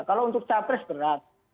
kalau untuk cak imin berat